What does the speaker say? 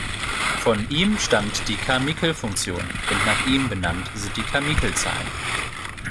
Von ihm stammt die Carmichael-Funktion und nach ihm benannt sind die Carmichael-Zahlen.